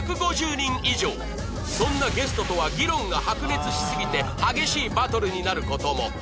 そんなゲストとは議論が白熱しすぎて激しいバトルになる事も